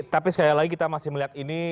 tapi sekali lagi kita masih melihat ini